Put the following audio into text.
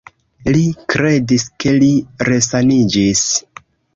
Li kredis, ke li resaniĝis.